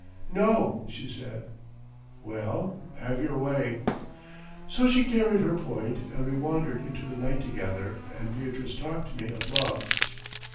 —" "No!" she said. "Well, have your way." So she carried her point, and we wandered into the night together and Beatrice talked to me of love....